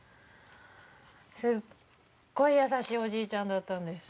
すっごい優しいおじいちゃんだったんです。